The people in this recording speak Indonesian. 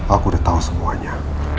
aku udah tau semuanya